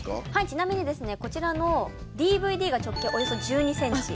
ちなみにですねこちらのＤＶＤが直径およそ１２センチ。